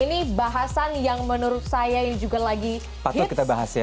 ini bahasan yang menurut saya juga lagi hits patut kita bahas ya